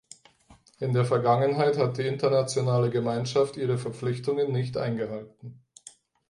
In der Vergangenheit hat die internationale Gemeinschaft ihre Verpflichtungen nicht eingehalten.